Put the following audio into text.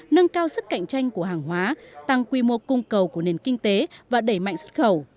nâng cao sức cạnh tranh của hàng hóa tăng quy mô cung cầu của nền kinh tế và đẩy mạnh xuất khẩu